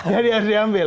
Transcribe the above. jadi harus diambil